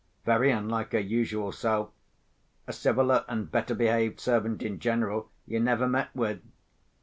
Very unlike her usual self: a civiller and better behaved servant, in general, you never met with.